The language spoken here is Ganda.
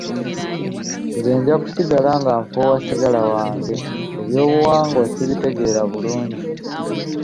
Nze nja kusigala nga nfuuwa ssigala wange, ebyo eby'obuwanga sibitegeera bulungi.